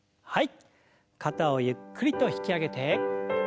はい。